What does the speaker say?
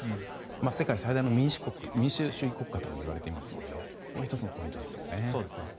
世界最大の民主主義国家ともいわれていますのでここも１つのポイントですね。